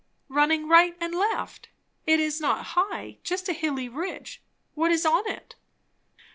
"Running right and left? It is not high. Just a hilly ridge. What is on it?"